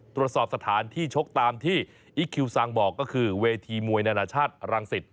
ตรวจสอบสถานที่ชกตามที่อีคคิวซังบอกก็คือเวทีมวยนานาชาติรังสิต